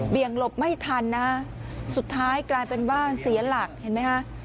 หลบไม่ทันนะฮะสุดท้ายกลายเป็นว่าเสียหลักเห็นไหมฮะ